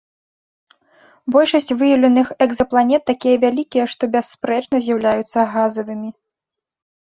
Большасць выяўленых экзапланет такія вялікія, што бясспрэчна з'яўляюцца газавымі.